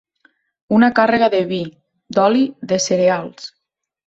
Una càrrega de vi, d'oli, de cereals.